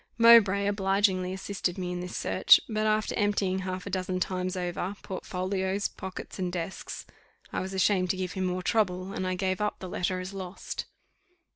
Mowbray obligingly assisted me in this search; but after emptying half a dozen times over portfolios, pockets, and desks, I was ashamed to give him more trouble, and I gave up the letter as lost.